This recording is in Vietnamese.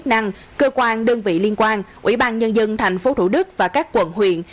chức năng cơ quan đơn vị liên quan ủy ban nhân dân tp thủ đức và các quận huyện